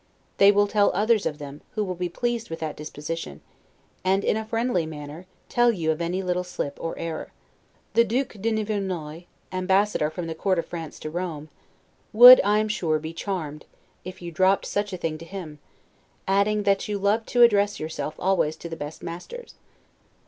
They will tell others of them, who will be pleased with that disposition, and, in a friendly manner, tell you of any little slip or error. The Duke de Nivernois [At that time Ambassador from the Court of France to Rome.] would, I am sure, be charmed, if you dropped such a thing to him; adding, that you loved to address yourself always to the best masters.